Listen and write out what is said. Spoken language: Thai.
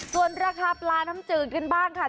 ส่วนราคาปลาน้ำจืดกันบ้างค่ะ